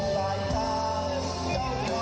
ดี